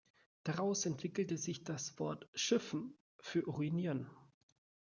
Daraus entwickelte sich das Wort „schiffen“ für urinieren.